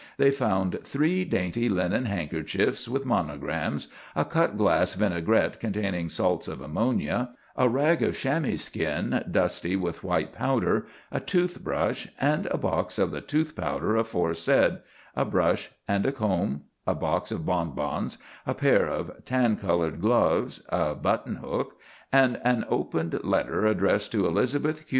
They found three dainty linen handkerchiefs with monograms, a cut glass vinaigrette containing salts of ammonia, a rag of chamois skin dusty with a white powder, a tooth brush, and a box of the tooth powder aforesaid, a brush and comb, a box of bonbons, a pair of tan colored gloves, a button hook, and an opened letter addressed to Elizabeth Q.